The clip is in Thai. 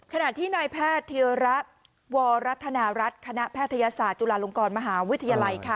ขณะที่นายแพทย์เทียระวรัฐนารัฐคณะแพทยศาสตร์จุฬาลงกรมหาวิทยาลัยค่ะ